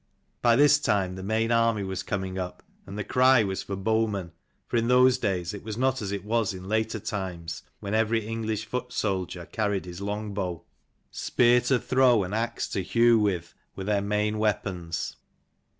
By this time the main army was coming up, and the cry was for bowmen. For in those days it was not as it was in later times, when every English foot soldier carried his long bow. 293 Spear to throw and axe to hew with, were their main weapons.